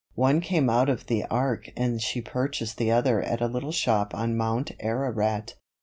One came out of the Ark and she purchased the other at a little shop on Mount Ararat."